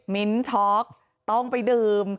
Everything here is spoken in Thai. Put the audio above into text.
มิ้นท์ชอคต้องไปดื่ม